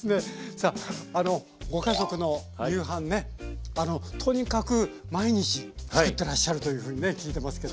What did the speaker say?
さあご家族の夕飯ねとにかく毎日作ってらっしゃるというふうにね聞いてますけどもね。